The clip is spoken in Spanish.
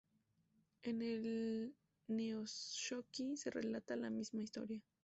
En el "Nihonshoki" se relata la misma historia.